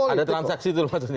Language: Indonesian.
ada transaksi itu maksudnya